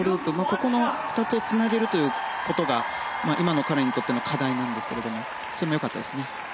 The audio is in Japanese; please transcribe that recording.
ここも２つ、つなげることが今の彼にとっての課題なんですけれどもそれも良かったですね。